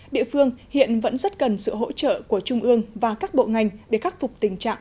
địa phương hiện vẫn rất cần sự hỗ trợ của trung ương và các bộ ngành để khắc phục tình trạng